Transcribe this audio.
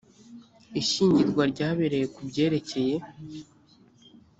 ishyingirwa ryabereye ku byerekeye